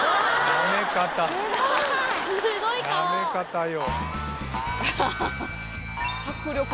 舐め方よ